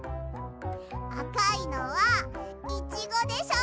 あかいのはイチゴでしょ。